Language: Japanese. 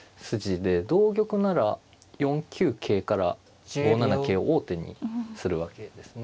同玉なら４九桂から５七桂王手にするわけですね。